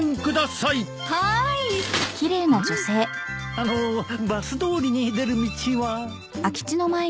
あのうバス通りに出る道は？